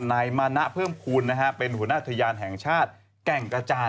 นายมานะเพิ่มภูมินะฮะเป็นหัวหน้าทะยานแห่งชาติแก่งกระจาน